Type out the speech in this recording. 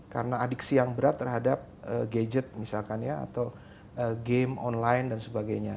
karena adiksi yang berat terhadap gadget misalkan ya atau game online dan sebagainya